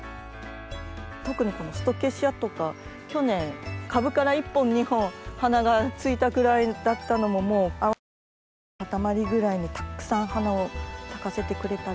特にこのストケシアとか去年株から１本２本花がついたくらいだったのも淡い紫の固まりぐらいにたくさん花を咲かせてくれたりとか。